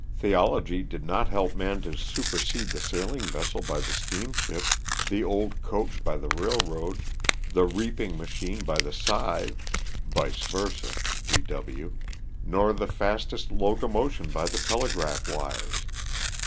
Theology did not help man to supersede the sailing vessel by the steamship, the old coach by the railroad, the reaping machine by the scythe (vice versa, DW), nor the fastest locomotion by the telegraph wires.